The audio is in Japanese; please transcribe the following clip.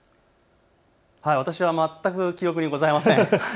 私は全く記憶にございません。